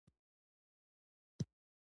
د ارزښتونو له لارې ټولنه منظمېږي.